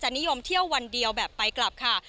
นิยมเที่ยววันเดียวแบบไปกลับค่ะ